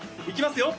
いきます